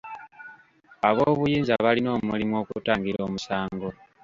Ab'obuyinza balina omulimu okutangira omusango.